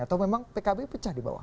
atau memang pkb pecah di bawah